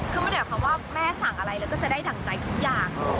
คือไม่ได้หมายความว่าแม่สั่งอะไรแล้วก็จะได้ดั่งใจทุกอย่าง